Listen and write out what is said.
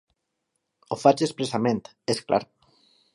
Ho faig expressament, és clar.